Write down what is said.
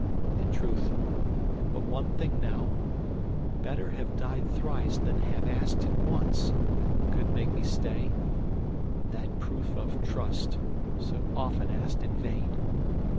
In truth, but one thing now—better have died Thrice than have asked it once—could make me stay— That proof of trust—so often asked in vain!